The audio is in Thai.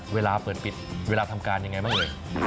เวลาเปิดปิดเวลาทำการยังไงบ้างเอ่ย